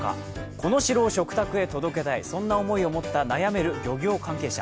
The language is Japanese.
コノシロを食卓へ届けたいそんな思いを持った悩める漁業関係者。